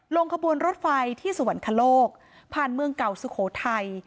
ลงขบวนรถไฟที่สวรรคโลกผ่านเมืองเก่าสุโขทัย